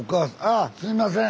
あすいません！